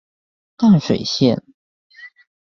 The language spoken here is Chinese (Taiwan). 淡水線